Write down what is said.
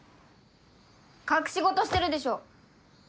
隠しごとしてるでしょ！